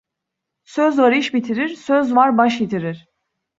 Söz var iş bitirir, söz var baş yitirir.